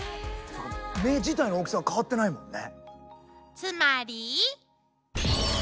目自体の大きさは変わってないもんね。